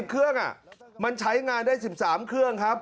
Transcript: เครื่องมันใช้งานได้๑๓เครื่องครับ